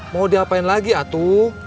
mau diapain lagi atu